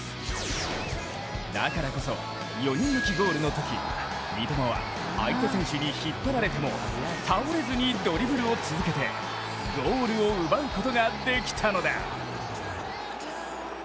だからこそ、４人抜きゴールのとき三笘は相手選手に引っ張られても倒れずにドリブルを続けてゴールを奪うことができたのだ。